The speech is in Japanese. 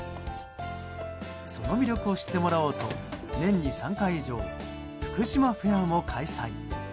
その魅力を知ってもらおうと年に３回以上福島フェアも開催。